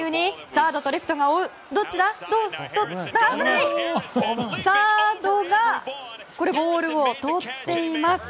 サードがボールを取っています。